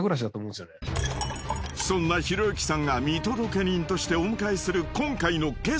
そんなひろゆきさんが見届け人としてお迎えする。